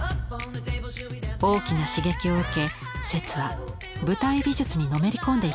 大きな刺激を受け摂は舞台美術にのめり込んでいきます。